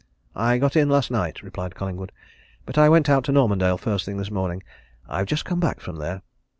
"I got in last night," replied Collingwood. "But I went out to Normandale first thing this morning: I've just come back from there.